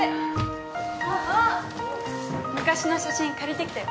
昔の写真借りてきたよ。